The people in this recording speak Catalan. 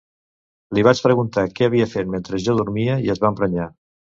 Li vaig preguntar què havia fet mentre jo dormia i es va emprenyar.